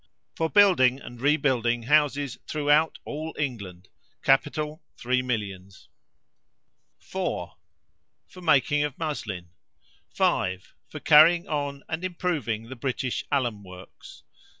For building and rebuilding houses throughout all England Capital, three millions. 4. For making of muslin. 5. For carrying on and improving the British alum works.